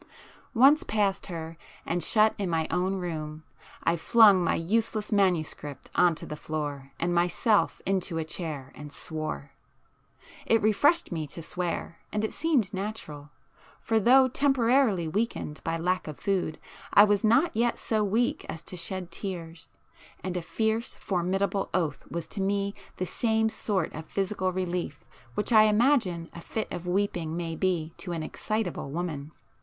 Once past her, and shut in my own room, I flung my useless manuscript on the floor and myself into a chair, and—swore. It [p 7] refreshed me to swear, and it seemed natural,—for though temporarily weakened by lack of food, I was not yet so weak as to shed tears,—and a fierce formidable oath was to me the same sort of physical relief which I imagine a fit of weeping may be to an excitable woman.